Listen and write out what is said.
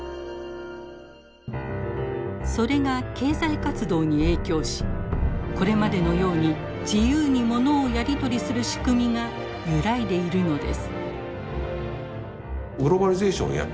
それが経済活動に影響しこれまでのように自由にものをやり取りする仕組みが揺らいでいるのです。